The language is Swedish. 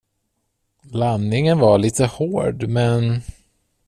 Landningen var lite hård, men.